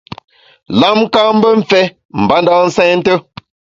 Lam ka’ mbe mfé mbanda nsènte.